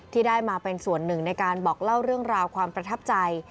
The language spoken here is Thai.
ที่ได้มาเป็นส่วนหนึ่งในการบอกเล่าเรื่องราวความประทับใจ